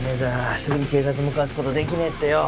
すぐに警察向かわす事できねえってよ。